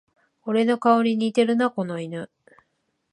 俺の顔に似てるな、この犬